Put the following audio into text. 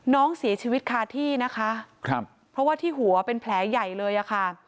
น้องเสียชีวิตคาที่นะคะครับเพราะว่าที่หัวเป็นแผลใหญ่เลยอะค่ะ